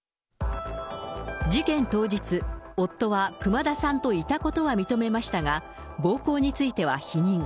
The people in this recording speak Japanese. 事件当日、夫は熊田さんといたことは認めましたが、暴行については否認。